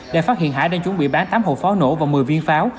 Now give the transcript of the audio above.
đã phát hiện hải đang chuẩn bị bán tám hộp pháo nổ và một mươi viên pháo